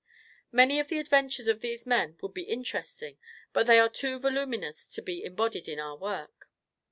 Many of the adventures of these men would be interesting; but they are too voluminous to be embodied in our work.